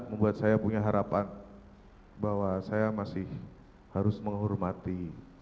membuat saya punya harapan bahwa saya masih harus menghormati